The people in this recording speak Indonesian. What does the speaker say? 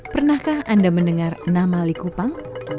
pernahkah anda mendengar nama likupang